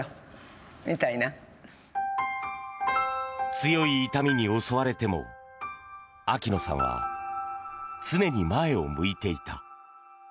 強い痛みに襲われても秋野さんは常に前を向いていた。